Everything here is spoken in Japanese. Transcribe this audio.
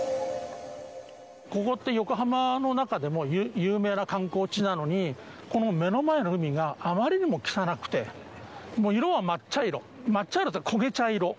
ここって横浜の中でも有名な観光地なのに、この目の前の海が、あまりにも汚くて、もう色は真っ茶色、真っ茶色というか、焦げ茶色。